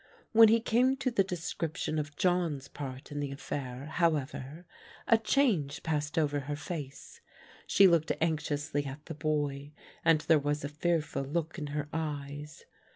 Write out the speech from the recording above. When he came to the description of John's part in the affair, however, a change passed over her face. She looked anxiously at the boy and there was a fearful look in her eyes.